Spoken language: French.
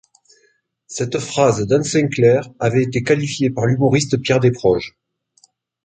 Cette phrase d'Anne Sinclair avait été qualifiée par l'humoriste Pierre Desproges.